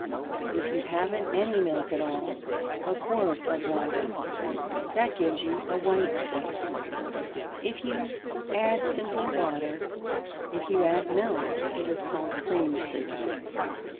If you haven't any milk at all, a quart of water. That gives you a white soup, if you add simply water; if you add milk it is called cream soup.